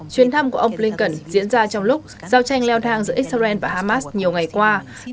chuyến thăm của ông blinken diễn ra trong lúc giao tranh leo thang giữa israel và hamas nhiều ngày qua